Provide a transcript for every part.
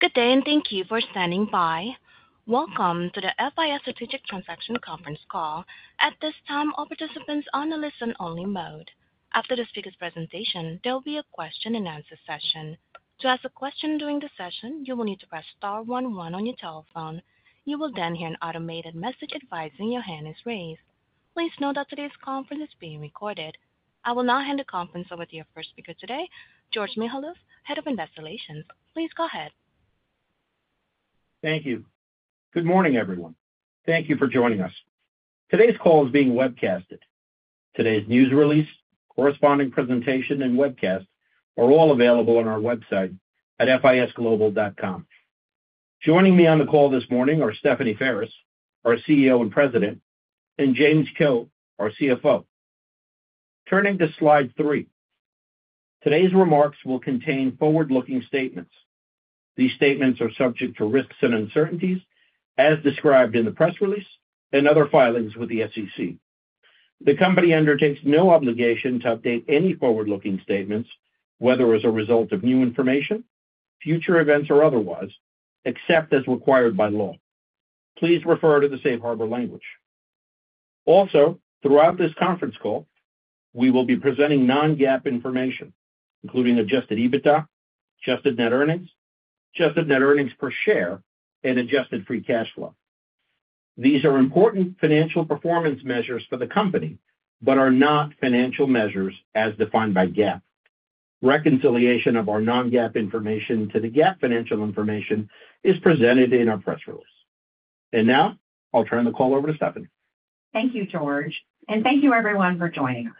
Good day, and thank you for standing by. Welcome to the FIS Strategic Transaction Conference call. At this time, all participants are on a listen-only mode. After the speaker's presentation, there will be a question-and-answer session. To ask a question during the session, you will need to press star one one on your telephone. You will then hear an automated message advising your hand is raised. Please note that today's conference is being recorded. I will now hand the conference over to your first speaker today, George Mihalos, Head of Investor Relations. Please go ahead. Thank you. Good morning, everyone. Thank you for joining us. Today's call is being webcast. Today's news release, corresponding presentation, and webcast are all available on our website at fisglobal.com. Joining me on the call this morning are Stephanie Ferris, our CEO and President, and James Kehoe, our CFO. Turning to Slide 3, today's remarks will contain forward-looking statements. These statements are subject to risks and uncertainties, as described in the press release and other filings with the SEC. The company undertakes no obligation to update any forward-looking statements, whether as a result of new information, future events, or otherwise, except as required by law. Please refer to the safe harbor language. Also, throughout this conference call, we will be presenting non-GAAP information, including adjusted EBITDA, adjusted net earnings, adjusted net earnings per share, and adjusted free cash flow. These are important financial performance measures for the company but are not financial measures as defined by GAAP. Reconciliation of our non-GAAP information to the GAAP financial information is presented in our press release. Now, I'll turn the call over to Stephanie. Thank you, George, and thank you, everyone, for joining us.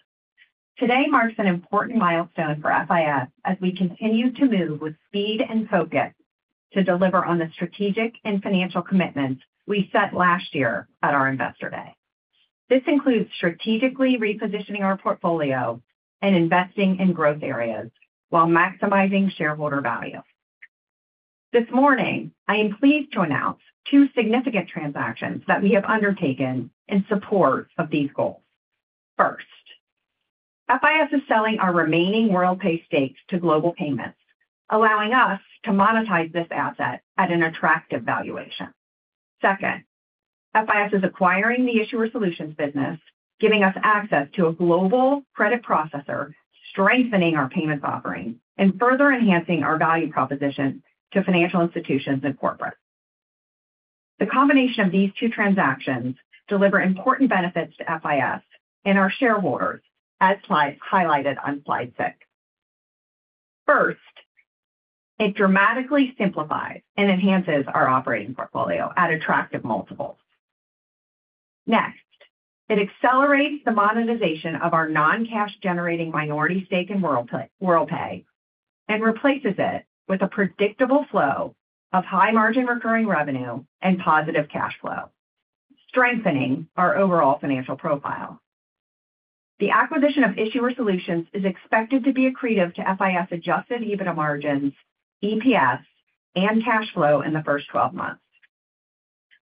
Today marks an important milestone for FIS as we continue to move with speed and focus to deliver on the strategic and financial commitments we set last year at our Investor Day. This includes strategically repositioning our portfolio and investing in growth areas while maximizing shareholder value. This morning, I am pleased to announce two significant transactions that we have undertaken in support of these goals. First, FIS is selling our remaining Worldpay stake to Global Payments, allowing us to monetize this asset at an attractive valuation. Second, FIS is acquiring the Issuer Solutions business, giving us access to a global credit processor, strengthening our payments offering, and further enhancing our value proposition to financial institutions and corporates. The combination of these two transactions delivers important benefits to FIS and our shareholders, as highlighted on Slide 6. First, it dramatically simplifies and enhances our operating portfolio at attractive multiples. Next, it accelerates the monetization of our non-cash-generating minority stake in Worldpay and replaces it with a predictable flow of high-margin recurring revenue and positive cash flow, strengthening our overall financial profile. The acquisition of Issuer Solutions is expected to be accretive to FIS adjusted EBITDA margins, EPS, and cash flow in the first 12 months.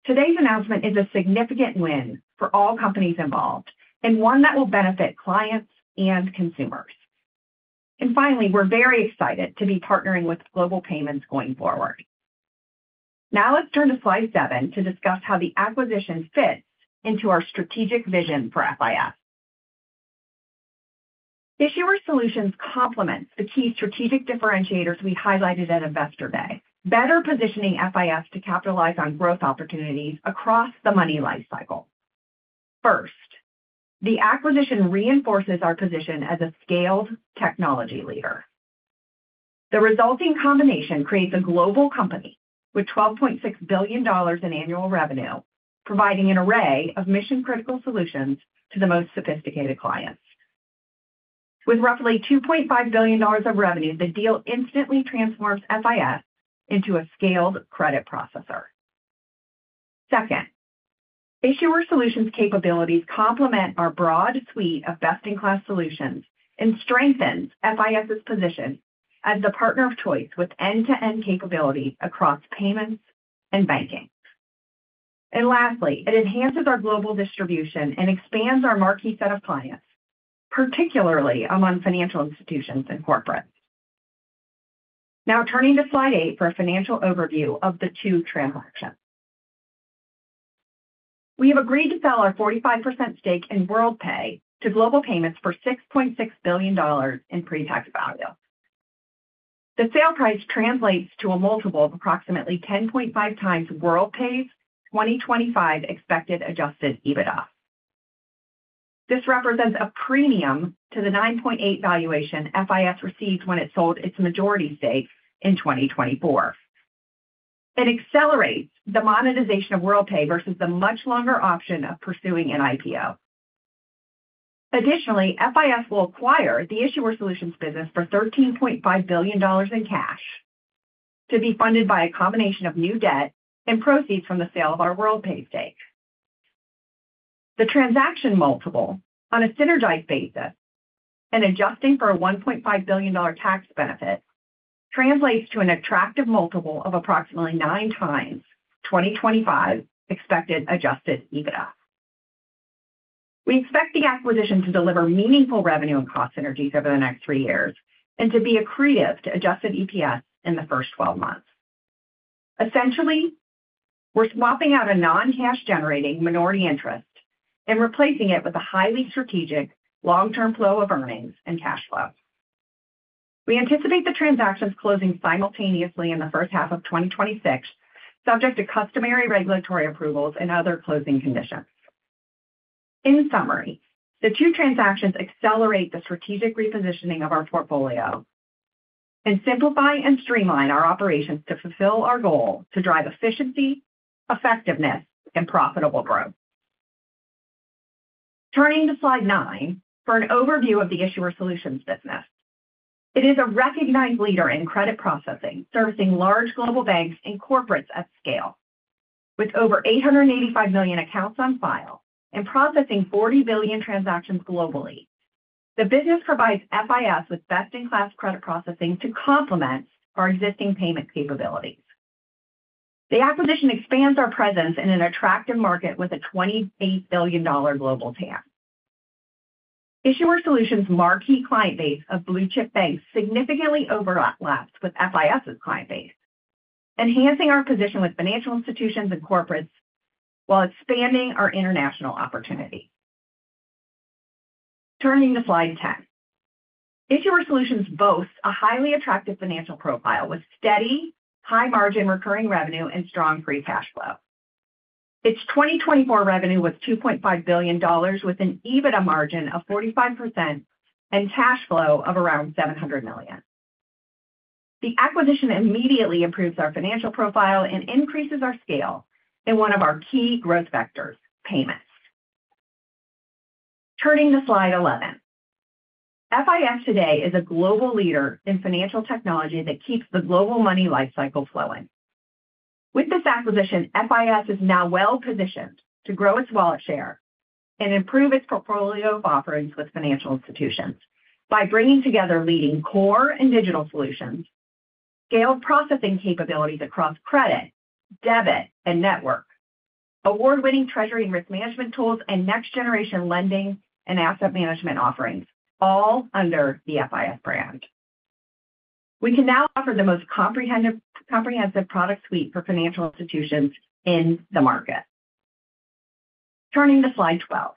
Today's announcement is a significant win for all companies involved and one that will benefit clients and consumers. We are very excited to be partnering with Global Payments going forward. Now, let's turn to Slide 7 to discuss how the acquisition fits into our strategic vision for FIS. Issuer Solutions complements the key strategic differentiators we highlighted at Investor Day, better positioning FIS to capitalize on growth opportunities across the money lifecycle. First, the acquisition reinforces our position as a scaled technology leader. The resulting combination creates a global company with $12.6 billion in annual revenue, providing an array of mission-critical solutions to the most sophisticated clients. With roughly $2.5 billion of revenue, the deal instantly transforms FIS into a scaled credit processor. Second, Issuer Solutions capabilities complement our broad suite of best-in-class solutions and strengthen FIS's position as the partner of choice with end-to-end capability across payments and banking. Lastly, it enhances our global distribution and expands our marquee set of clients, particularly among financial institutions and corporates. Now, turning to Slide 8 for a financial overview of the two transactions. We have agreed to sell our 45% stake in Worldpay to Global Payments for $6.6 billion in pre-tax value. The sale price translates to a multiple of approximately 10.5x Worldpay's 2025 expected adjusted EBITDA. This represents a premium to the 9.8 valuation FIS received when it sold its majority stake in 2024. It accelerates the monetization of Worldpay versus the much longer option of pursuing an IPO. Additionally, FIS will acquire the Issuer Solutions business for $13.5 billion in cash to be funded by a combination of new debt and proceeds from the sale of our Worldpay stake. The transaction multiple on a synergized basis and adjusting for a $1.5 billion tax benefit translates to an attractive multiple of approximately nine times 2025 expected adjusted EBITDA. We expect the acquisition to deliver meaningful revenue and cost synergies over the next three years and to be accretive to adjusted EPS in the first 12 months. Essentially, we're swapping out a non-cash-generating minority interest and replacing it with a highly strategic long-term flow of earnings and cash flow. We anticipate the transactions closing simultaneously in the first half of 2026, subject to customary regulatory approvals and other closing conditions. In summary, the two transactions accelerate the strategic repositioning of our portfolio and simplify and streamline our operations to fulfill our goal to drive efficiency, effectiveness, and profitable growth. Turning to Slide 9 for an overview of the Issuer Solutions business. It is a recognized leader in credit processing, servicing large global banks and corporates at scale. With over 885 million accounts on file and processing 40 billion transactions globally, the business provides FIS with best-in-class credit processing to complement our existing payment capabilities. The acquisition expands our presence in an attractive market with a $28 billion global TAM. Issuer Solutions' marquee client base of blue-chip banks significantly overlaps with FIS's client base, enhancing our position with financial institutions and corporates while expanding our international opportunity. Turning to Slide 10, Issuer Solutions boasts a highly attractive financial profile with steady, high-margin recurring revenue and strong free cash flow. Its 2024 revenue was $2.5 billion with an EBITDA margin of 45% and cash flow of around $700 million. The acquisition immediately improves our financial profile and increases our scale in one of our key growth vectors, payments. Turning to Slide 11, FIS today is a global leader in financial technology that keeps the global money lifecycle flowing. With this acquisition, FIS is now well-positioned to grow its wallet share and improve its portfolio of offerings with financial institutions by bringing together leading core and digital solutions, scaled processing capabilities across credit, debit, and network, award-winning treasury and risk management tools, and next-generation lending and asset management offerings, all under the FIS brand. We can now offer the most comprehensive product suite for financial institutions in the market. Turning to Slide 12,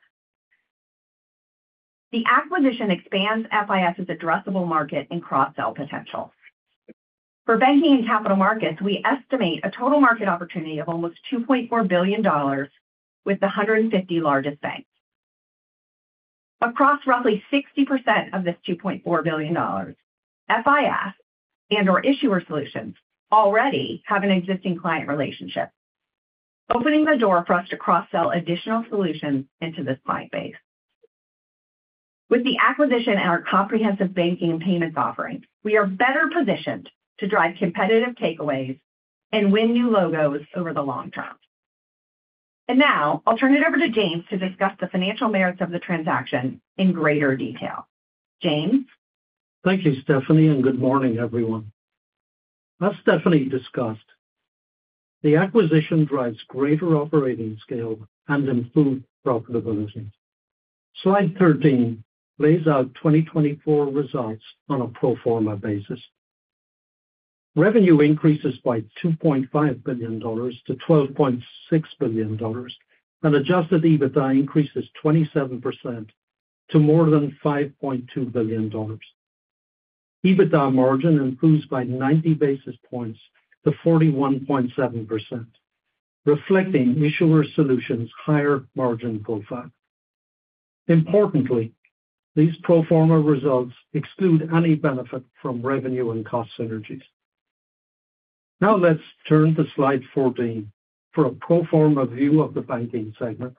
the acquisition expands FIS's addressable market and cross-sell potential. For banking and capital markets, we estimate a total market opportunity of almost $2.4 billion with the 150 largest banks. Across roughly 60% of this $2.4 billion, FIS and/or Issuer Solutions already have an existing client relationship, opening the door for us to cross-sell additional solutions into this client base. With the acquisition and our comprehensive banking and payments offerings, we are better positioned to drive competitive takeaways and win new logos over the long term. Now, I'll turn it over to James to discuss the financial merits of the transaction in greater detail. James. Thank you, Stephanie, and good morning, everyone. As Stephanie discussed, the acquisition drives greater operating scale and improved profitability. Slide 13 lays out 2024 results on a pro forma basis. Revenue increases by $2.5 billion to $12.6 billion, and adjusted EBITDA increases 27% to more than $5.2 billion. EBITDA margin improves by 90 basis points to 41.7%, reflecting Issuer Solutions' higher margin profile. Importantly, these pro forma results exclude any benefit from revenue and cost synergies. Now, let's turn to Slide 14 for a pro forma view of the banking segment.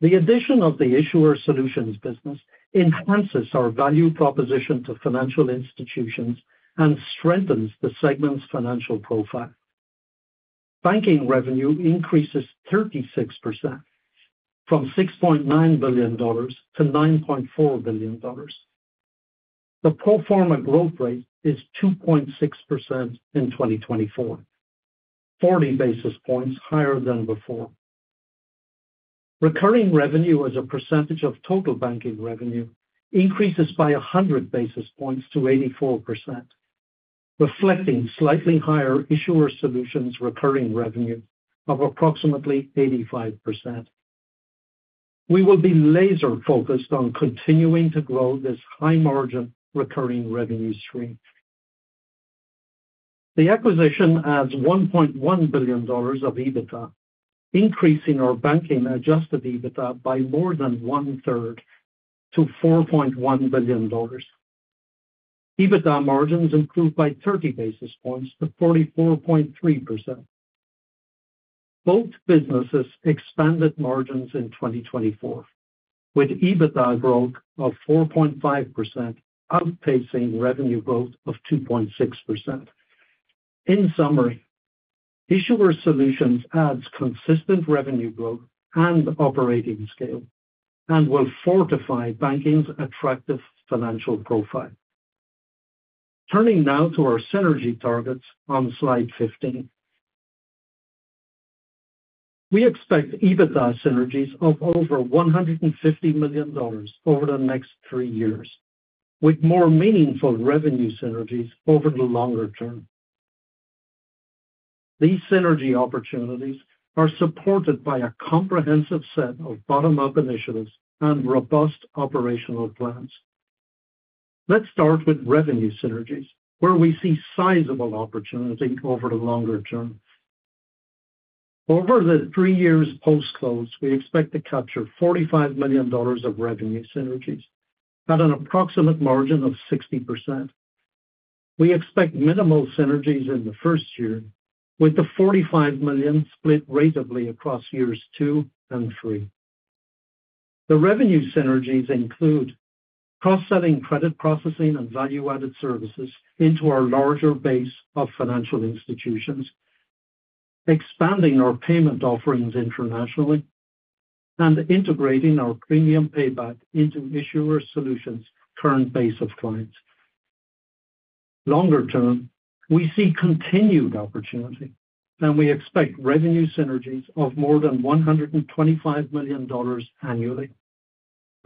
The addition of the Issuer Solutions business enhances our value proposition to financial institutions and strengthens the segment's financial profile. Banking revenue increases 36% from $6.9 billion to $9.4 billion. The pro forma growth rate is 2.6% in 2024, 40 basis points higher than before. Recurring revenue as a percentage of total banking revenue increases by 100 basis points to 84%, reflecting slightly higher Issuer Solutions' recurring revenue of approximately 85%. We will be laser-focused on continuing to grow this high-margin recurring revenue stream. The acquisition adds $1.1 billion of EBITDA, increasing our banking adjusted EBITDA by more than one-third to $4.1 billion. EBITDA margins improve by 30 basis points to 44.3%. Both businesses expanded margins in 2024, with EBITDA growth of 4.5% outpacing revenue growth of 2.6%. In summary, Issuer Solutions adds consistent revenue growth and operating scale and will fortify banking's attractive financial profile. Turning now to our synergy targets on Slide 15, we expect EBITDA synergies of over $150 million over the next three years, with more meaningful revenue synergies over the longer term. These synergy opportunities are supported by a comprehensive set of bottom-up initiatives and robust operational plans. Let's start with revenue synergies, where we see sizable opportunity over the longer term. Over the three years post-close, we expect to capture $45 million of revenue synergies at an approximate margin of 60%. We expect minimal synergies in the first year, with the $45 million split ratably across years two and three. The revenue synergies include cross-selling credit processing and value-added services into our larger base of financial institutions, expanding our payment offerings internationally, and integrating our Premium Payback into Issuer Solutions' current base of clients. Longer term, we see continued opportunity, and we expect revenue synergies of more than $125 million annually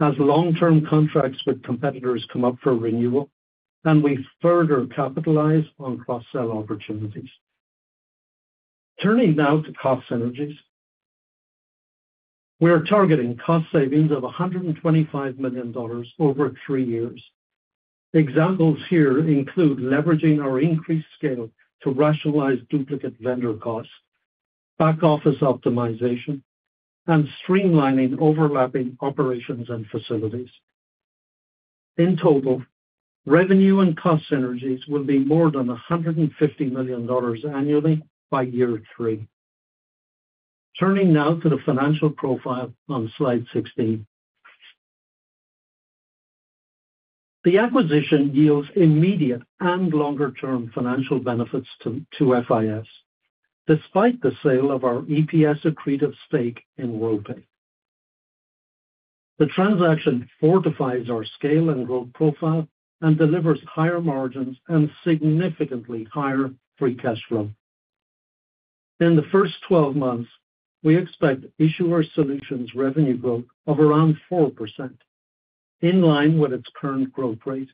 as long-term contracts with competitors come up for renewal, and we further capitalize on cross-sell opportunities. Turning now to cost synergies. We are targeting cost savings of $125 million over three years. Examples here include leveraging our increased scale to rationalize duplicate vendor costs, back-office optimization, and streamlining overlapping operations and facilities. In total, revenue and cost synergies will be more than $150 million annually by year three. Turning now to the financial profile on Slide 16. The acquisition yields immediate and longer-term financial benefits to FIS, despite the sale of our EPS-accretive stake in Worldpay. The transaction fortifies our scale and growth profile and delivers higher margins and significantly higher free cash flow. In the first 12 months, we expect Issuer Solutions' revenue growth of around 4%, in line with its current growth rate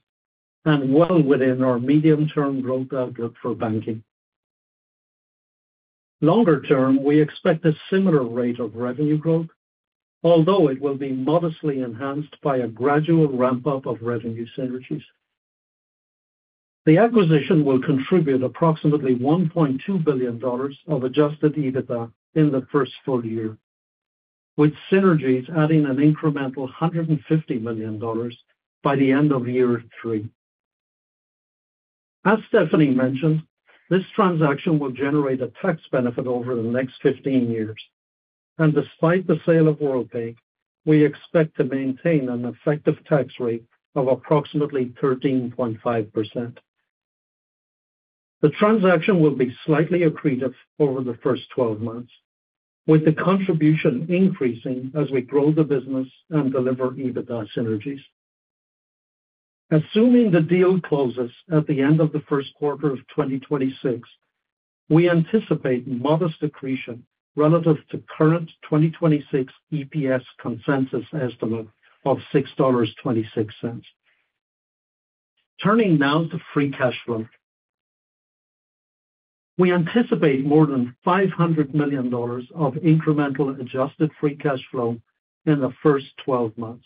and well within our medium-term growth outlook for banking. Longer term, we expect a similar rate of revenue growth, although it will be modestly enhanced by a gradual ramp-up of revenue synergies. The acquisition will contribute approximately $1.2 billion of adjusted EBITDA in the first full year, with synergies adding an incremental $150 million by the end of year three. As Stephanie mentioned, this transaction will generate a tax benefit over the next 15 years, and despite the sale of Worldpay, we expect to maintain an effective tax rate of approximately 13.5%. The transaction will be slightly accretive over the first 12 months, with the contribution increasing as we grow the business and deliver EBITDA synergies. Assuming the deal closes at the end of the first quarter of 2026, we anticipate modest accretion relative to current 2026 EPS consensus estimate of $6.26. Turning now to free cash flow. We anticipate more than $500 million of incremental adjusted free cash flow in the first 12 months,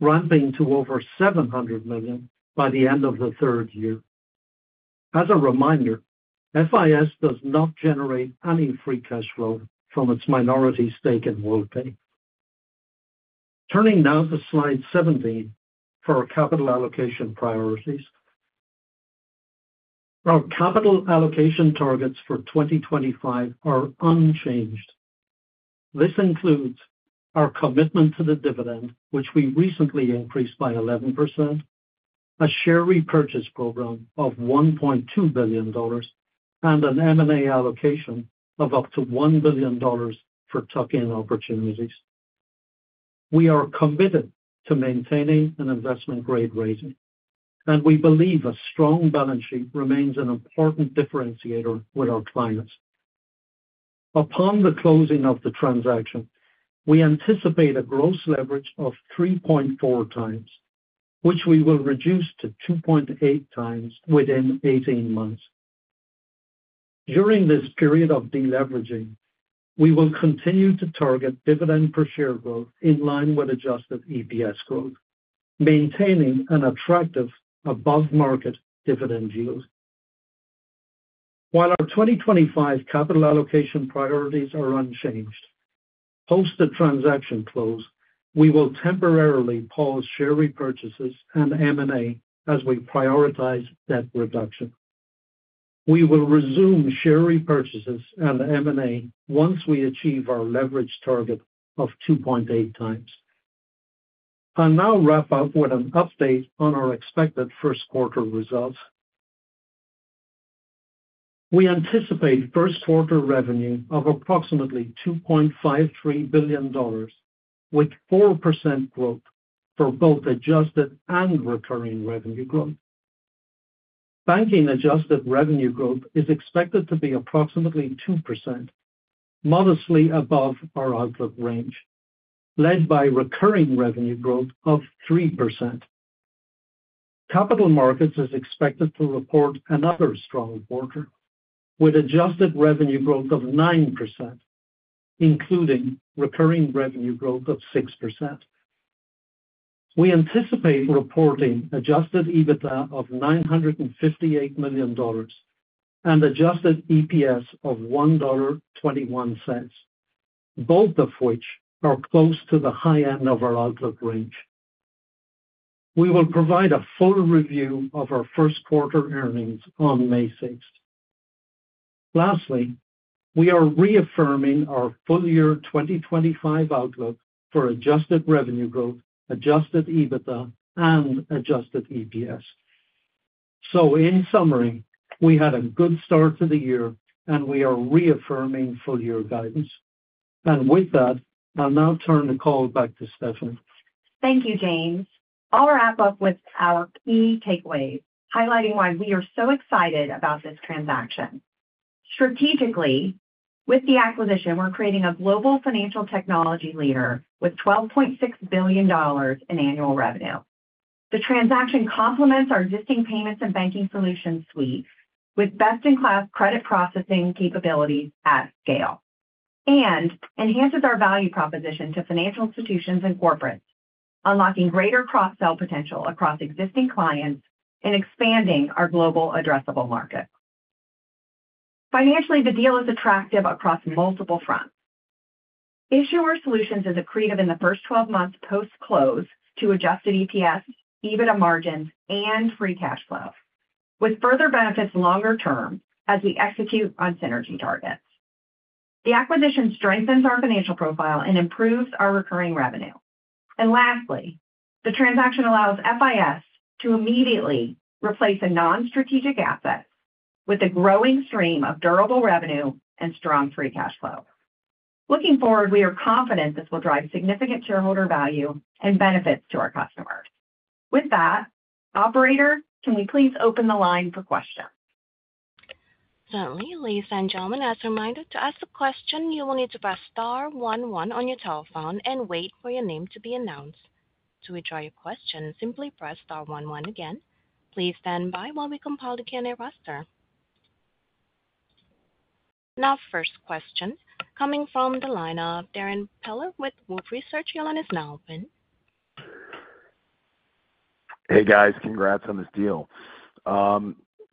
ramping to over $700 million by the end of the third year. As a reminder, FIS does not generate any free cash flow from its minority stake in Worldpay. Turning now to Slide 17 for our capital allocation priorities. Our capital allocation targets for 2025 are unchanged. This includes our commitment to the dividend, which we recently increased by 11%, a share repurchase program of $1.2 billion, and an M&A allocation of up to $1 billion for tuck-in opportunities. We are committed to maintaining an investment-grade rating, and we believe a strong balance sheet remains an important differentiator with our clients. Upon the closing of the transaction, we anticipate a gross leverage of 3.4 times, which we will reduce to 2.8x within 18 months. During this period of deleveraging, we will continue to target dividend per share growth in line with adjusted EPS growth, maintaining an attractive above-market dividend yield. While our 2025 capital allocation priorities are unchanged, post-the-transaction close, we will temporarily pause share repurchases and M&A as we prioritize debt reduction. We will resume share repurchases and M&A once we achieve our leverage target of 2.8x. I'll now wrap up with an update on our expected first-quarter results. We anticipate first-quarter revenue of approximately $2.53 billion, with 4% growth for both adjusted and recurring revenue growth. Banking adjusted revenue growth is expected to be approximately 2%, modestly above our outlook range, led by recurring revenue growth of 3%. Capital markets are expected to report another strong quarter with adjusted revenue growth of 9%, including recurring revenue growth of 6%. We anticipate reporting adjusted EBITDA of $958 million and adjusted EPS of $1.21, both of which are close to the high end of our outlook range. We will provide a full review of our first-quarter earnings on May 6. Lastly, we are reaffirming our full year 2025 outlook for adjusted revenue growth, adjusted EBITDA, and adjusted EPS. In summary, we had a good start to the year, and we are reaffirming full year guidance. With that, I'll now turn the call back to Stephanie. Thank you, James. I'll wrap up with our key takeaways, highlighting why we are so excited about this transaction. Strategically, with the acquisition, we're creating a global financial technology leader with $12.6 billion in annual revenue. The transaction complements our existing payments and banking solution suite with best-in-class credit processing capabilities at scale and enhances our value proposition to financial institutions and corporates, unlocking greater cross-sell potential across existing clients and expanding our global addressable market. Financially, the deal is attractive across multiple fronts. Issuer Solutions is accretive in the first 12 months post-close to adjusted EPS, EBITDA margins, and free cash flow, with further benefits longer term as we execute on synergy targets. The acquisition strengthens our financial profile and improves our recurring revenue. Lastly, the transaction allows FIS to immediately replace a non-strategic asset with a growing stream of durable revenue and strong free cash flow. Looking forward, we are confident this will drive significant shareholder value and benefits to our customers. With that, operator, can we please open the line for questions? Please, ladies and gentlemen, as a reminder to ask the question, you will need to press star one one on your telephone and wait for your name to be announced. To withdraw your question, simply press star one one again. Please stand by while we compile the candidate roster. Now, first question coming from the line of Darrin Peller with Wolfe Research. Your line is now open. Hey, guys. Congrats on this deal.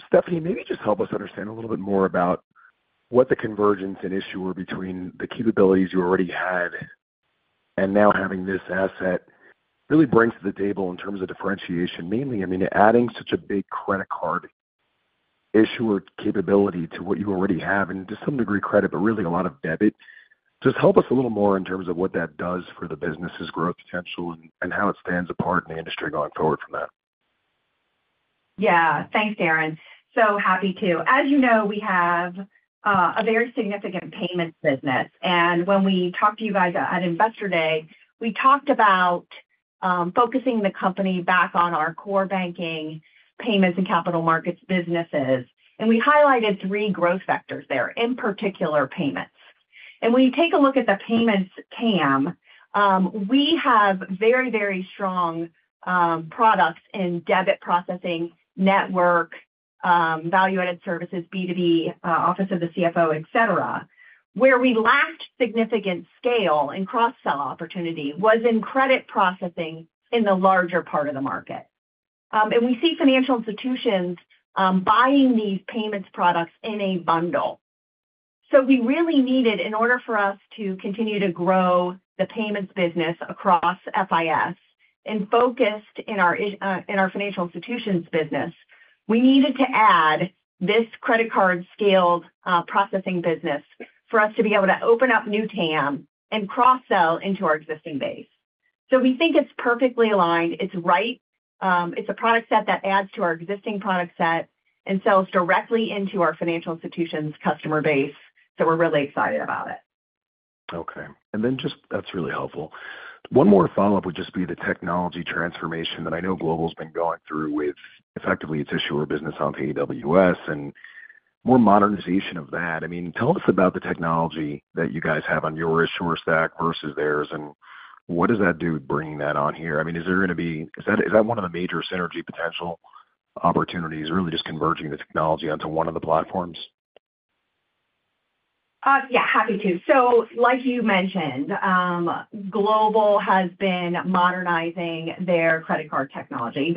Stephanie, maybe just help us understand a little bit more about what the convergence in issuer between the capabilities you already had and now having this asset really brings to the table in terms of differentiation, mainly, I mean, adding such a big credit card issuer capability to what you already have and to some degree credit, but really a lot of debit. Just help us a little more in terms of what that does for the business's growth potential and how it stands apart in the industry going forward from that. Yeah. Thanks, Darrin. Happy to. As you know, we have a very significant payments business. When we talked to you guys at Investor Day, we talked about focusing the company back on our core banking, payments, and capital markets businesses. We highlighted three growth vectors there, in particular, payments. When you take a look at the payments TAM, we have very, very strong products in debit processing, network, value-added services, B2B, Office of the CFO, etc., where we lacked significant scale and cross-sell opportunity was in credit processing in the larger part of the market. We see financial institutions buying these payments products in a bundle. We really needed, in order for us to continue to grow the payments business across FIS and focused in our financial institutions business, we needed to add this credit card-scaled processing business for us to be able to open up new TAM and cross-sell into our existing base. We think it's perfectly aligned. It's right. It's a product set that adds to our existing product set and sells directly into our financial institutions' customer base. We're really excited about it. Okay. That's really helpful. One more follow-up would just be the technology transformation that I know Global's been going through with effectively its issuer business onto AWS and more modernization of that. I mean, tell us about the technology that you guys have on your issuer stack versus theirs, and what does that do bringing that on here? I mean, is that one of the major synergy potential opportunities, really just converging the technology onto one of the platforms? Yeah. Happy to. Like you mentioned, Global has been modernizing their credit card technology.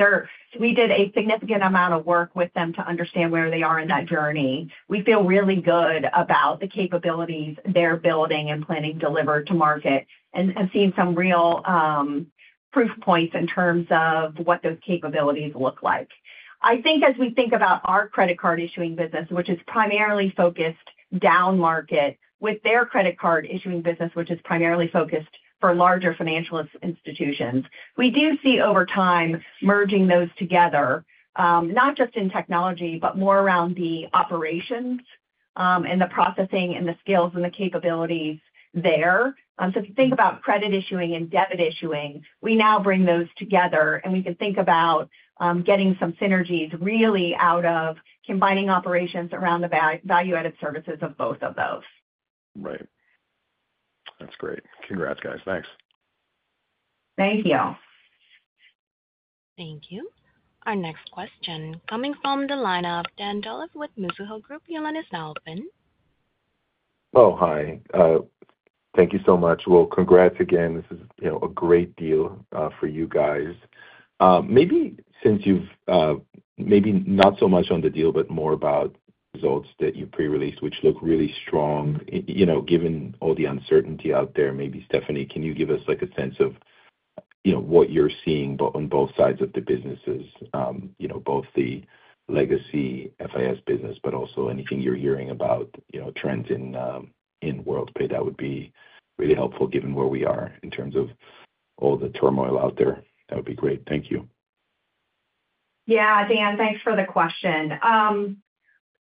We did a significant amount of work with them to understand where they are in that journey. We feel really good about the capabilities they're building and planning to deliver to market and have seen some real proof points in terms of what those capabilities look like. I think as we think about our credit card issuing business, which is primarily focused down market, with their credit card issuing business, which is primarily focused for larger financial institutions, we do see over time merging those together, not just in technology, but more around the operations and the processing and the skills and the capabilities there. If you think about credit issuing and debit issuing, we now bring those together, and we can think about getting some synergies really out of combining operations around the value-added services of both of those. Right. That's great. Congrats, guys. Thanks. Thank you. Thank you. Our next question coming from the line of Dan Dolev with Mizuho Group. Your line is now open. Oh, hi. Thank you so much. Congrats again. This is a great deal for you guys. Maybe not so much on the deal, but more about results that you pre-released, which look really strong given all the uncertainty out there. Maybe, Stephanie, can you give us a sense of what you're seeing on both sides of the businesses, both the legacy FIS business, but also anything you're hearing about trends in Worldpay? That would be really helpful given where we are in terms of all the turmoil out there. That would be great. Thank you. Yeah, Dan, thanks for the question.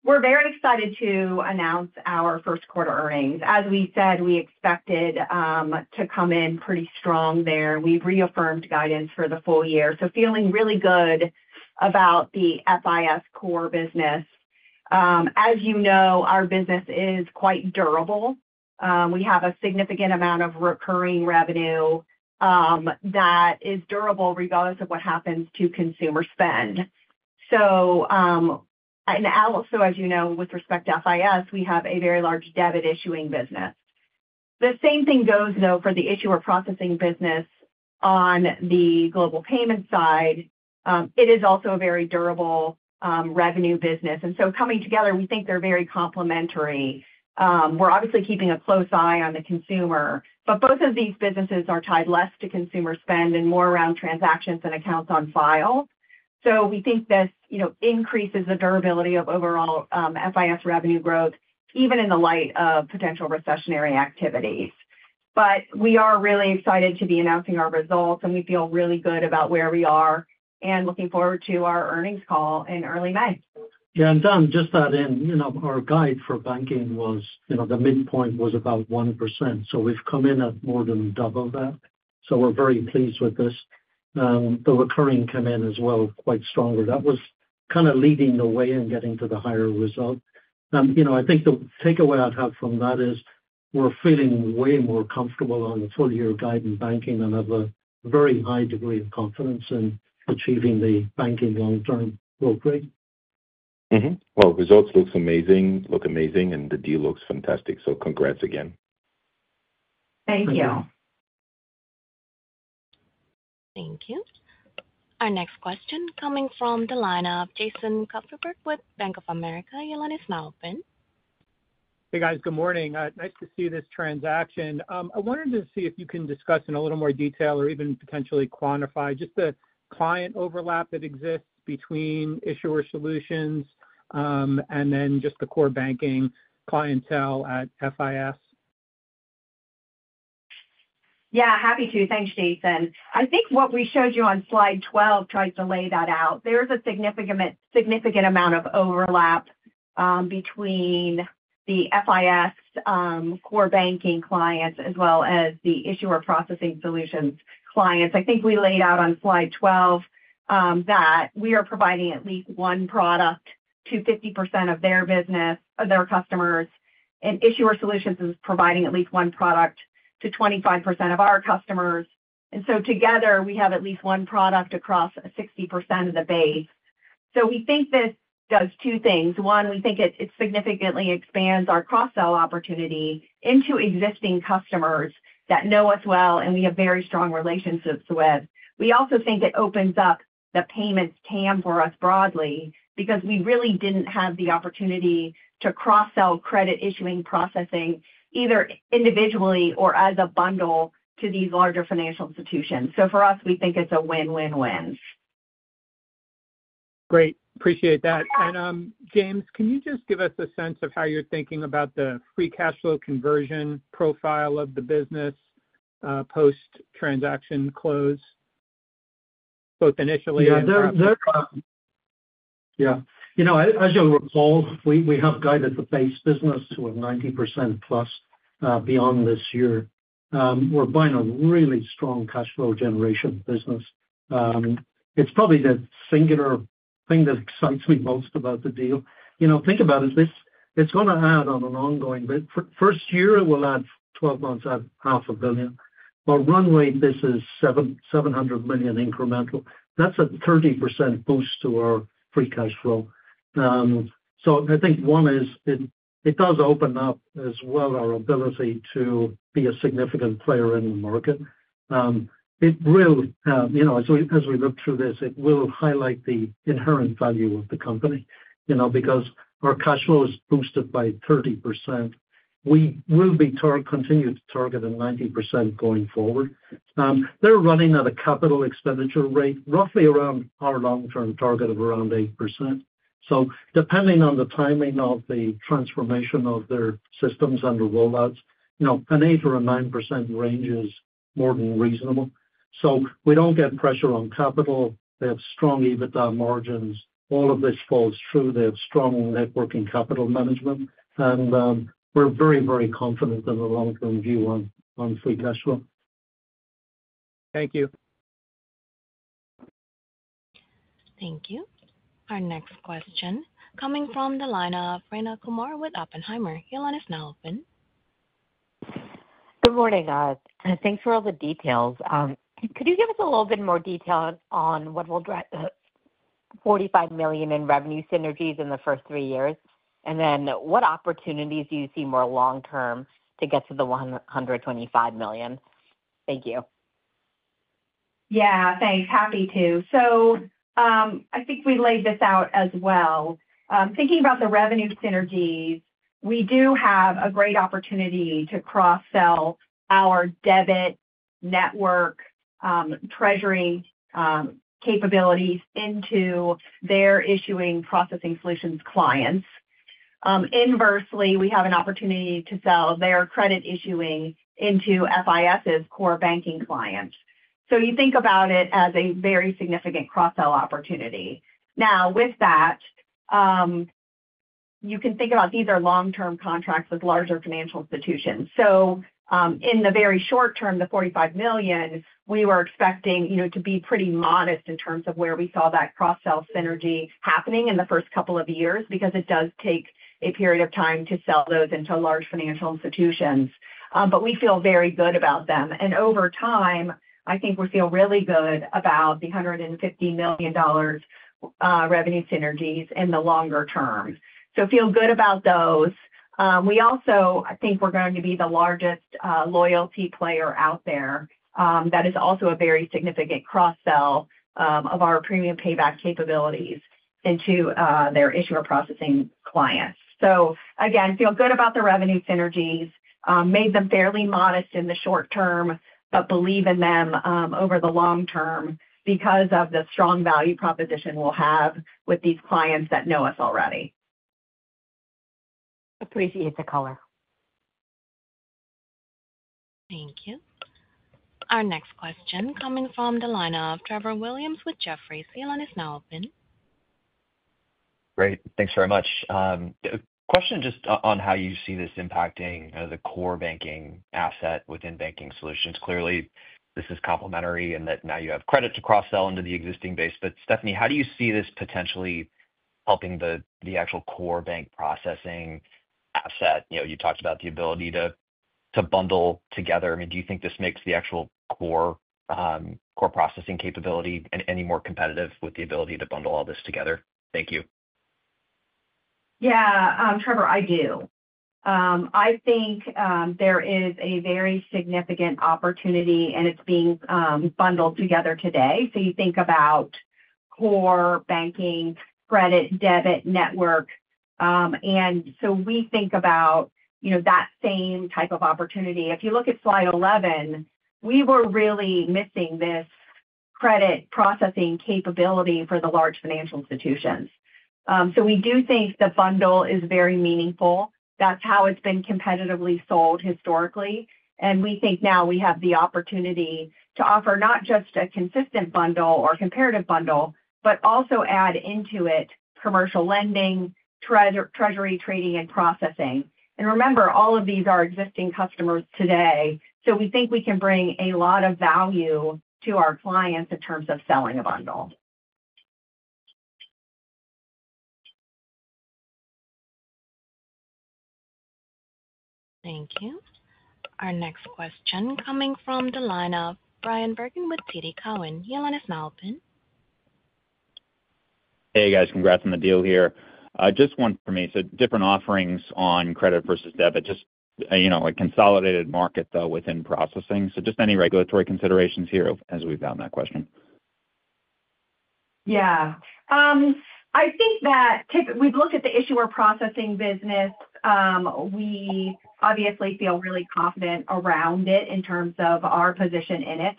We're very excited to announce our first-quarter earnings. As we said, we expected to come in pretty strong there. We've reaffirmed guidance for the full year. Feeling really good about the FIS core business. As you know, our business is quite durable. We have a significant amount of recurring revenue that is durable regardless of what happens to consumer spend. Also, as you know, with respect to FIS, we have a very large debit issuing business. The same thing goes, though, for the issuer processing business on the Global Payments side. It is also a very durable revenue business. Coming together, we think they're very complementary. We're obviously keeping a close eye on the consumer, but both of these businesses are tied less to consumer spend and more around transactions and accounts on file. We think this increases the durability of overall FIS revenue growth, even in the light of potential recessionary activities. We are really excited to be announcing our results, and we feel really good about where we are and looking forward to our earnings call in early May. Yeah. Just that in, our guide for banking was the midpoint was about 1%. We have come in at more than double that. We are very pleased with this. The recurring came in as well, quite stronger. That was kind of leading the way in getting to the higher result. I think the takeaway I would have from that is we are feeling way more comfortable on the full year guide in banking and have a very high degree of confidence in achieving the banking long-term growth rate. Results look amazing, look amazing, and the deal looks fantastic. Congrats again. Thank you. Thank you. Our next question coming from the line of Jason Kupferberg with Bank of America. Your line is now open. Hey, guys. Good morning. Nice to see this transaction. I wanted to see if you can discuss in a little more detail or even potentially quantify just the client overlap that exists between Issuer Solutions and then just the core banking clientele at FIS. Yeah. Happy to. Thanks, Jason. I think what we showed you on Slide 12 tried to lay that out. There's a significant amount of overlap between the FIS core banking clients as well as the issuer processing solutions clients. I think we laid out on Slide 12 that we are providing at least one product to 50% of their business, their customers. Issuer Solutions is providing at least one product to 25% of our customers. Together, we have at least one product across 60% of the base. We think this does two things. One, we think it significantly expands our cross-sell opportunity into existing customers that know us well, and we have very strong relationships with. We also think it opens up the payments TAM for us broadly because we really did not have the opportunity to cross-sell credit issuing processing either individually or as a bundle to these larger financial institutions. For us, we think it is a win-win-win. Great. Appreciate that. James, can you just give us a sense of how you're thinking about the free cash flow conversion profile of the business post-transaction close, both initially and now? Yeah. As you'll recall, we have guided the base business to a 90%+ beyond this year. We're buying a really strong cash flow generation business. It's probably the singular thing that excites me most about the deal. Think about it. It's going to add on an ongoing bit. First year, it will add 12 months, add $500,000,000. Run rate, this is $700,000,000 incremental. That's a 30% boost to our free cash flow. I think one is it does open up as well our ability to be a significant player in the market. It will, as we look through this, highlight the inherent value of the company because our cash flow is boosted by 30%. We will continue to target a 90% going forward. They're running at a capital expenditure rate, roughly around our long-term target of around 8%. Depending on the timing of the transformation of their systems and the rollouts, an 8%-9% range is more than reasonable. We do not get pressure on capital. They have strong EBITDA margins. All of this falls through. They have strong networking capital management. We are very, very confident in the long-term view on free cash flow. Thank you. Thank you. Our next question coming from the line of Rayna Kumar with Oppenheimer. Your line is now open. Good morning, guys. Thanks for all the details. Could you give us a little bit more detail on what will drive the $45 million in revenue synergies in the first three years? Then what opportunities do you see more long-term to get to the $125 million? Thank you. Yeah. Thanks. Happy to. I think we laid this out as well. Thinking about the revenue synergies, we do have a great opportunity to cross-sell our debit network treasury capabilities into their issuing processing solutions clients. Inversely, we have an opportunity to sell their credit issuing into FIS's core banking clients. You think about it as a very significant cross-sell opportunity. Now, with that, you can think about these are long-term contracts with larger financial institutions. In the very short term, the $45 million, we were expecting to be pretty modest in terms of where we saw that cross-sell synergy happening in the first couple of years because it does take a period of time to sell those into large financial institutions. We feel very good about them. Over time, I think we feel really good about the $150 million revenue synergies in the longer term. We also, I think we're going to be the largest loyalty player out there that is also a very significant cross-sell of our Premium Payback capabilities into their issuer processing clients. Again, feel good about the revenue synergies. Made them fairly modest in the short term, but believe in them over the long term because of the strong value proposition we'll have with these clients that know us already. Appreciate the color. Thank you. Our next question coming from the line of Trevor Williams with Jefferies. The line is now open. Great. Thanks very much. Question just on how you see this impacting the core banking asset within banking solutions. Clearly, this is complementary in that now you have credit to cross-sell into the existing base. Stephanie, how do you see this potentially helping the actual core bank processing asset? You talked about the ability to bundle together. I mean, do you think this makes the actual core processing capability any more competitive with the ability to bundle all this together? Thank you. Yeah. Trevor, I do. I think there is a very significant opportunity, and it's being bundled together today. You think about core banking, credit, debit network. We think about that same type of opportunity. If you look at Slide 11, we were really missing this credit processing capability for the large financial institutions. We do think the bundle is very meaningful. That's how it's been competitively sold historically. We think now we have the opportunity to offer not just a consistent bundle or comparative bundle, but also add into it commercial lending, treasury trading, and processing. Remember, all of these are existing customers today. We think we can bring a lot of value to our clients in terms of selling a bundle. Thank you. Our next question coming from the line of Bryan Bergin with TD Cowen. Your line is now open. Hey, guys. Congrats on the deal here. Just one for me. Different offerings on credit versus debit, just a consolidated market within processing. Just any regulatory considerations here as we've gotten that question? Yeah. I think that we've looked at the issuer processing business. We obviously feel really confident around it in terms of our position in it.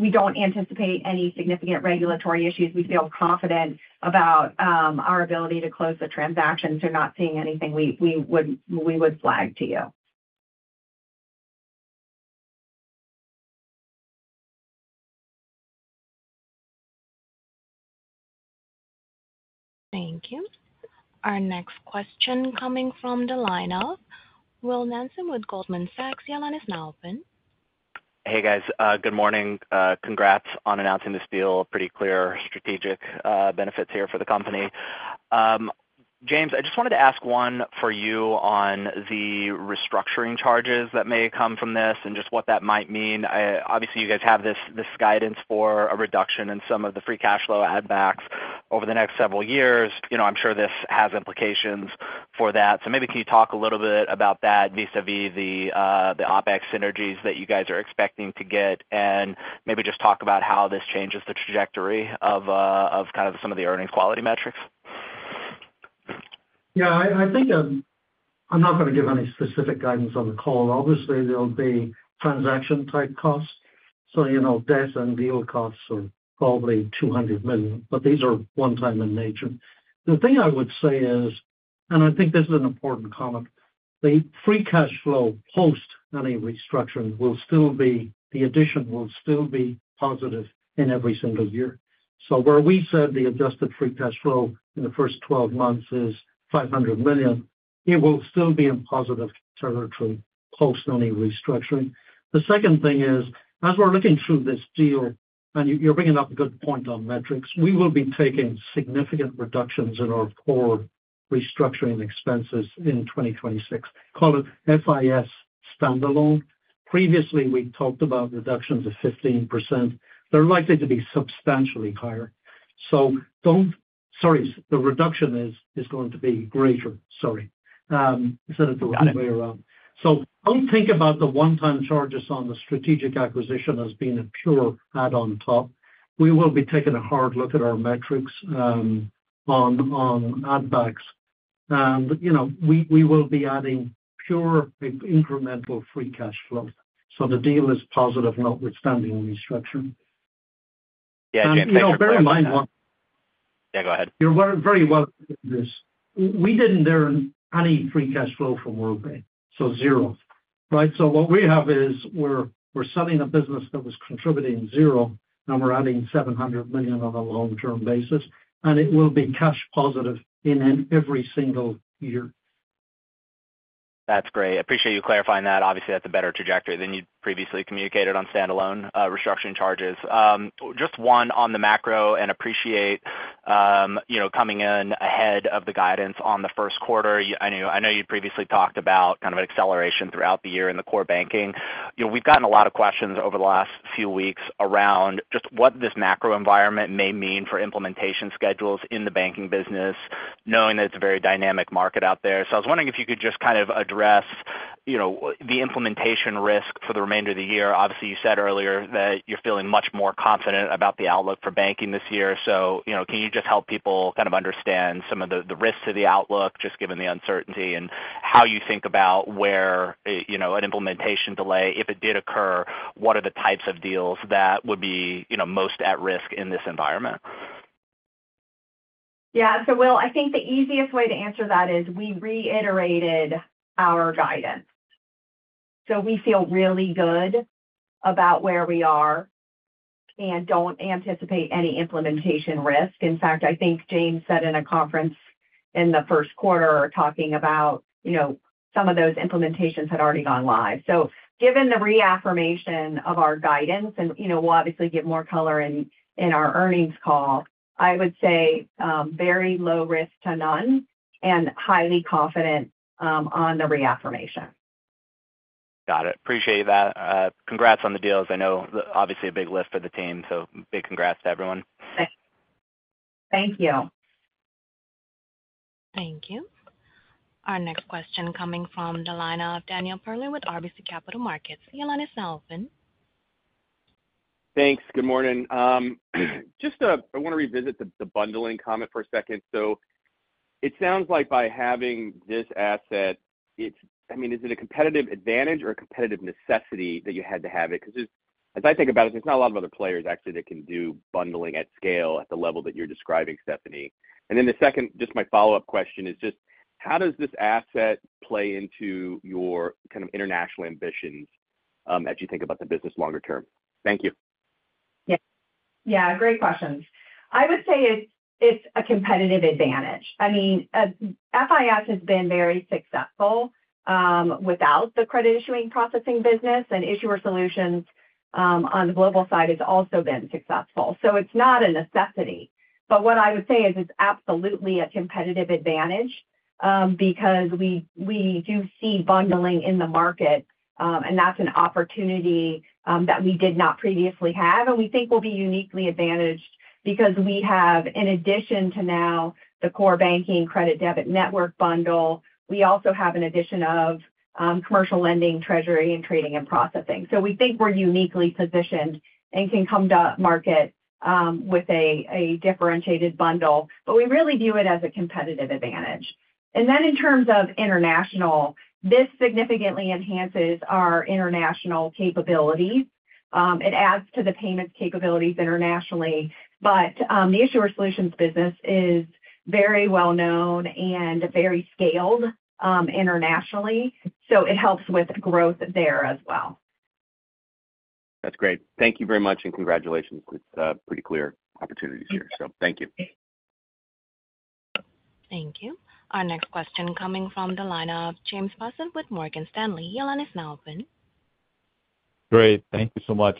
We don't anticipate any significant regulatory issues. We feel confident about our ability to close the transaction. Not seeing anything we would flag to you. Thank you. Our next question coming from the line of Will Nance with Goldman Sachs. Your line is now open. Hey, guys. Good morning. Congrats on announcing this deal. Pretty clear strategic benefits here for the company. James, I just wanted to ask one for you on the restructuring charges that may come from this and just what that might mean. Obviously, you guys have this guidance for a reduction in some of the free cash flow add-backs over the next several years. I'm sure this has implications for that. Maybe can you talk a little bit about that vis-à-vis the OpEx synergies that you guys are expecting to get and maybe just talk about how this changes the trajectory of kind of some of the earnings quality metrics? Yeah. I think I'm not going to give any specific guidance on the call. Obviously, there'll be transaction-type costs. So debt and deal costs are probably $200 million. These are one-time in nature. The thing I would say is, and I think this is an important comment, the free cash flow post any restructuring will still be, the addition will still be positive in every single year. Where we said the adjusted free cash flow in the first 12 months is $500 million, it will still be in positive territory post any restructuring. The second thing is, as we're looking through this deal, and you're bringing up a good point on metrics, we will be taking significant reductions in our core restructuring expenses in 2026. Call it FIS standalone. Previously, we talked about reductions of 15%. They're likely to be substantially higher. Sorry, the reduction is going to be greater. Sorry. I said it the wrong way around. Do not think about the one-time charges on the strategic acquisition as being a pure add-on top. We will be taking a hard look at our metrics on add-backs. We will be adding pure incremental free cash flow. The deal is positive, notwithstanding restructuring. Yeah, James. Thank you. Bear in mind. Yeah, go ahead. You're very well aware of this. We didn't earn any free cash flow from Worldpay. So zero. Right? What we have is we're selling a business that was contributing zero, and we're adding $700 million on a long-term basis. It will be cash positive in every single year. That's great. Appreciate you clarifying that. Obviously, that's a better trajectory than you previously communicated on standalone restructuring charges. Just one on the macro and appreciate coming in ahead of the guidance on the first quarter. I know you previously talked about kind of an acceleration throughout the year in the core banking. We've gotten a lot of questions over the last few weeks around just what this macro environment may mean for implementation schedules in the banking business, knowing that it's a very dynamic market out there. I was wondering if you could just kind of address the implementation risk for the remainder of the year. Obviously, you said earlier that you're feeling much more confident about the outlook for banking this year. Can you just help people kind of understand some of the risks of the outlook, just given the uncertainty, and how you think about where an implementation delay, if it did occur, what are the types of deals that would be most at risk in this environment? Yeah. Will, I think the easiest way to answer that is we reiterated our guidance. We feel really good about where we are and do not anticipate any implementation risk. In fact, I think James said in a conference in the first quarter talking about some of those implementations had already gone live. Given the reaffirmation of our guidance, and we will obviously give more color in our earnings call, I would say very low risk to none and highly confident on the reaffirmation. Got it. Appreciate that. Congrats on the deals. I know obviously a big lift for the team. Big congrats to everyone. Thank you. Thank you. Our next question coming from the line of Daniel Perlin with RBC Capital Markets. Your line is now open. Thanks. Good morning. I just want to revisit the bundling comment for a second. It sounds like by having this asset, I mean, is it a competitive advantage or a competitive necessity that you had to have it? Because as I think about it, there are not a lot of other players actually that can do bundling at scale at the level that you are describing, Stephanie. My follow-up question is how does this asset play into your kind of international ambitions as you think about the business longer term? Thank you. Yeah. Yeah. Great questions. I would say it's a competitive advantage. I mean, FIS has been very successful without the credit issuing processing business. And issuer solutions on the global side have also been successful. It is not a necessity. What I would say is it's absolutely a competitive advantage because we do see bundling in the market, and that's an opportunity that we did not previously have. We think we'll be uniquely advantaged because we have, in addition to now the core banking credit-debit network bundle, we also have an addition of commercial lending, treasury, and trading and processing. We think we're uniquely positioned and can come to market with a differentiated bundle. We really view it as a competitive advantage. In terms of international, this significantly enhances our international capabilities. It adds to the payments capabilities internationally. The Issuer Solutions business is very well-known and very scaled internationally. It helps with growth there as well. That's great. Thank you very much. Congratulations. It's a pretty clear opportunity here. Thank you. Thank you. Our next question coming from the line of James Faucette with Morgan Stanley. Your line is now open. Great. Thank you so much.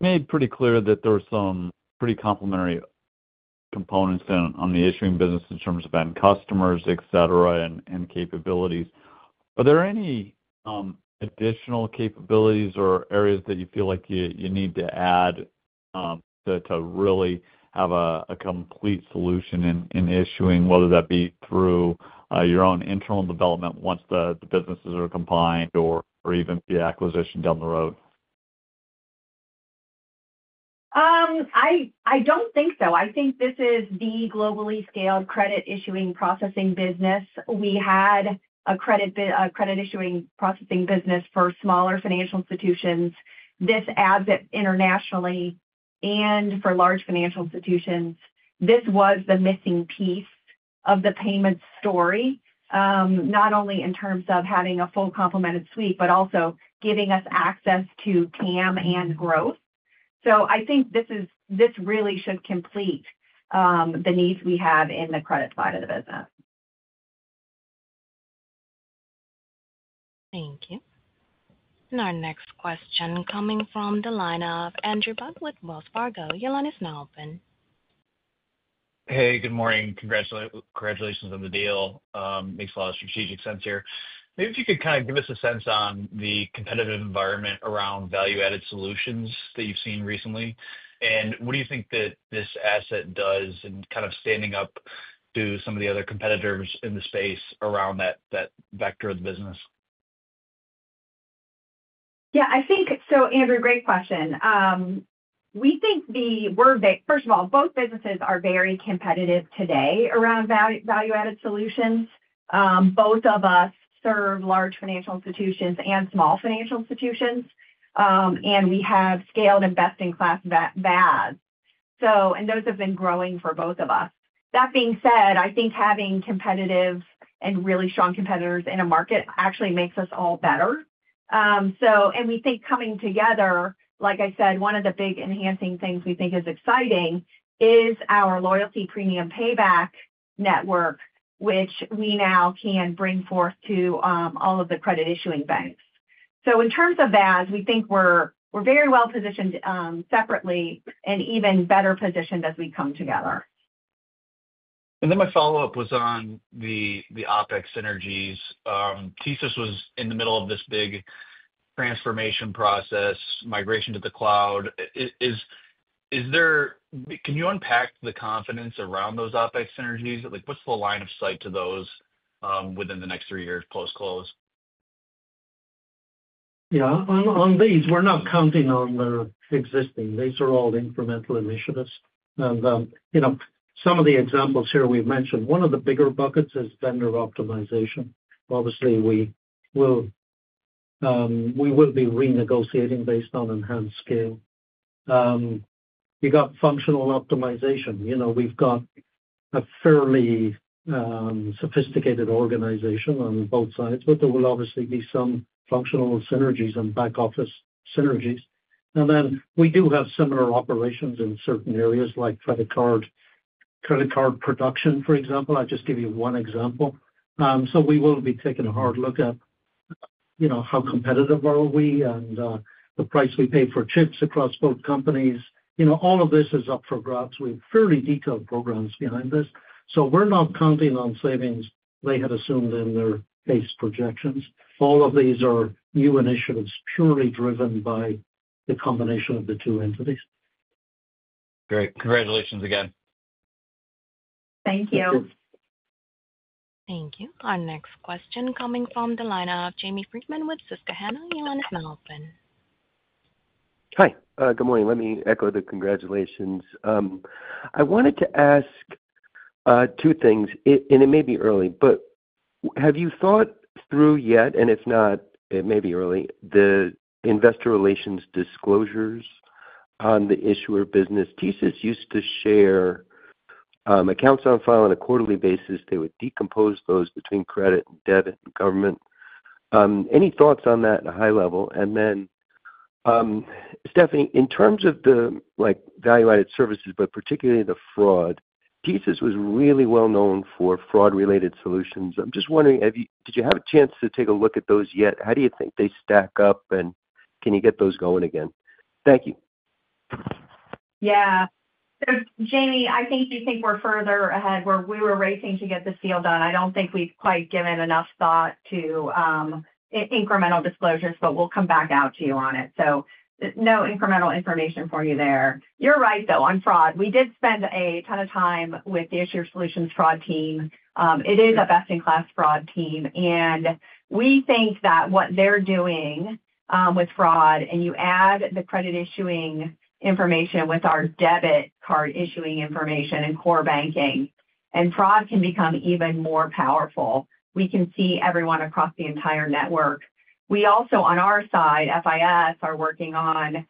Made pretty clear that there were some pretty complementary components on the issuing business in terms of end customers, etc., and capabilities. Are there any additional capabilities or areas that you feel like you need to add to really have a complete solution in issuing, whether that be through your own internal development once the businesses are combined or even via acquisition down the road? I don't think so. I think this is the globally scaled credit issuing processing business. We had a credit issuing processing business for smaller financial institutions. This adds it internationally and for large financial institutions. This was the missing piece of the payment story, not only in terms of having a full complemented suite, but also giving us access to TAM and growth. I think this really should complete the needs we have in the credit side of the business. Thank you. Our next question coming from the line of Andrew Bauch with Wells Fargo. Your line is now open. Hey, good morning. Congratulations on the deal. Makes a lot of strategic sense here. Maybe if you could kind of give us a sense on the competitive environment around value-added solutions that you've seen recently. What do you think that this asset does in kind of standing up to some of the other competitors in the space around that vector of the business? Yeah. Andrew, great question. We think first of all, both businesses are very competitive today around value-added solutions. Both of us serve large financial institutions and small financial institutions. We have scaled in best-in-class VAS, and those have been growing for both of us. That being said, I think having competitive and really strong competitors in a market actually makes us all better. We think coming together, like I said, one of the big enhancing things we think is exciting is our loyalty Premium Payback network, which we now can bring forth to all of the credit issuing banks. In terms of VAS, we think we are very well positioned separately and even better positioned as we come together. My follow-up was on the OpEx synergies. TSYS was in the middle of this big transformation process, migration to the cloud. Can you unpack the confidence around those OpEx synergies? What's the line of sight to those within the next three years post-close? Yeah. On these, we're not counting on the existing. These are all incremental initiatives. Some of the examples here we've mentioned, one of the bigger buckets is vendor optimization. Obviously, we will be renegotiating based on enhanced scale. You got functional optimization. We've got a fairly sophisticated organization on both sides, but there will obviously be some functional synergies and back-office synergies. We do have similar operations in certain areas like credit card production, for example. I'll just give you one example. We will be taking a hard look at how competitive are we and the price we pay for chips across both companies. All of this is up for grabs. We have fairly detailed programs behind this. We're not counting on savings they had assumed in their base projections. All of these are new initiatives purely driven by the combination of the two entities. Great. Congratulations again. Thank you. Thank you. Our next question coming from the line of Jamie Friedman with Susquehanna. Your line is now open. Hi. Good morning. Let me echo the congratulations. I wanted to ask two things. It may be early, but have you thought through yet? If not, it may be early, the investor relations disclosures on the issuer business? TSYS used to share accounts on file on a quarterly basis. They would decompose those between credit and debt and government. Any thoughts on that at a high level? Stephanie, in terms of the value-added services, but particularly the fraud, TSYS was really well-known for fraud-related solutions. I'm just wondering, did you have a chance to take a look at those yet? How do you think they stack up, and can you get those going again? Thank you. Yeah. Jamie, I think you think we're further ahead where we were racing to get this deal done. I don't think we've quite given enough thought to incremental disclosures, but we'll come back out to you on it. No incremental information for you there. You're right, though, on fraud. We did spend a ton of time with the Issuer Solutions fraud team. It is a best-in-class fraud team. We think that what they're doing with fraud, and you add the credit issuing information with our debit card issuing information and core banking, fraud can become even more powerful. We can see everyone across the entire network. We also, on our side, FIS, are working on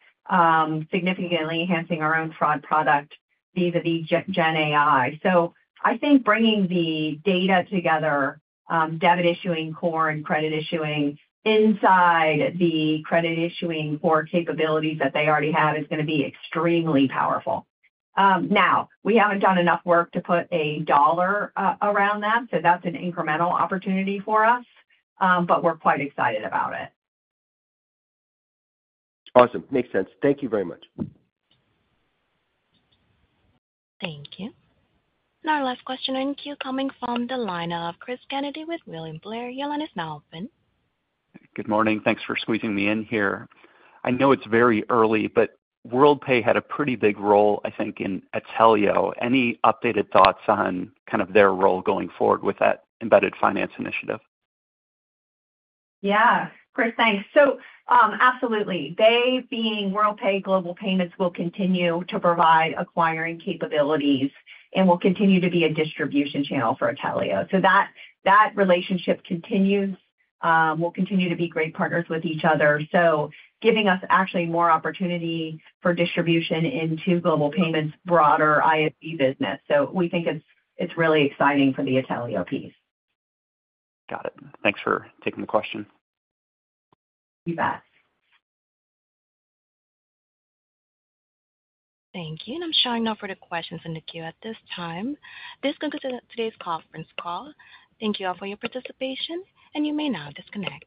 significantly enhancing our own fraud product vis-à-vis GenAI. I think bringing the data together, debit issuing core and credit issuing inside the credit issuing core capabilities that they already have is going to be extremely powerful. Now, we have not done enough work to put a dollar around that. That is an incremental opportunity for us, but we are quite excited about it. Awesome. Makes sense. Thank you very much. Thank you. Our last question on queue coming from the line of Chris Kennedy with William Blair. Your line is now open. Good morning. Thanks for squeezing me in here. I know it's very early, but Worldpay had a pretty big role, I think, in Atelio. Any updated thoughts on kind of their role going forward with that embedded finance initiative? Yeah. Chris, thanks. Absolutely. They, being Worldpay Global Payments, will continue to provide acquiring capabilities and will continue to be a distribution channel for Atelio. That relationship continues. We'll continue to be great partners with each other. That gives us actually more opportunity for distribution into Global Payments' broader ISV business. We think it's really exciting for the Atelio piece. Got it. Thanks for taking the question. You bet. Thank you. I'm showing no further questions in the queue at this time. This concludes today's conference call. Thank you all for your participation. You may now disconnect.